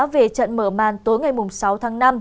về trận mở màn tối ngày sáu tháng năm